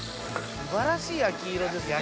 素晴らしい焼き色ですね。